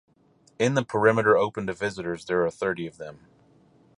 In the perimeter open to visitors there are thirty of them.